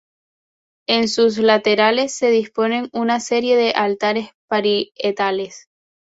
En sus laterales se disponen una serie de altares parietales.